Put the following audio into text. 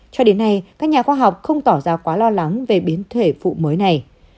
cho đến nay các nhà khoa học không tỏ ra quá lo lắng về biến thể phụ mới này